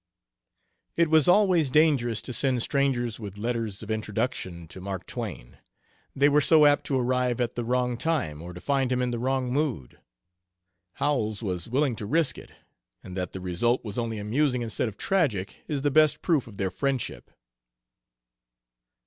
It was always dangerous to send strangers with letters of introduction to Mark Twain. They were so apt to arrive at the wrong time, or to find him in the wrong mood. Howells was willing to risk it, and that the result was only amusing instead of tragic is the best proof of their friendship.